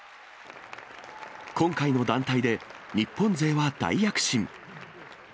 今回の団体で日本勢は大躍進。